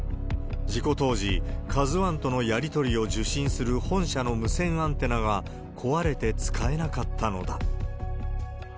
事故当時、ＫＡＺＵＩとのやり取りを受信する本社の無線アンテナが壊れて使えなかったのだ。